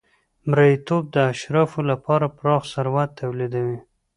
مریتوب د اشرافو لپاره پراخ ثروت تولیدوي.